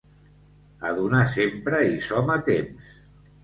A donar sempre hi som a temps.